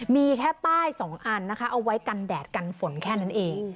มีแค่ป้ายสองอันนะคะเอาไว้กันแดดกันฝนแค่นั้นเอง